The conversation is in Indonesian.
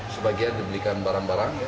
sebagian dibelikan barang barang